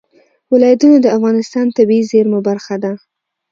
ولایتونه د افغانستان د طبیعي زیرمو برخه ده.